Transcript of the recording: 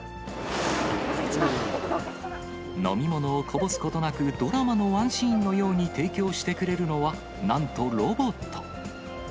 飲み物をこぼすことなく、ドラマのワンシーンのように提供してくれるのは、なんとロボット。